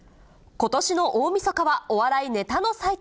ことしの大みそかは、お笑いネタの祭典。